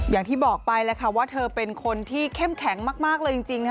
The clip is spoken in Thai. อย่างที่บอกไปแล้วค่ะว่าเธอเป็นคนที่เข้มแข็งมากเลยจริง